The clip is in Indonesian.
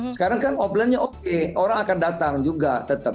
sekarang kan offlinenya oke orang akan datang juga tetap